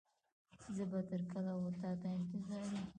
زه به تر کله و تا ته انتظار يم.